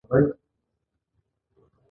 ما در ته نه ویل چې دې سره کار مه لره.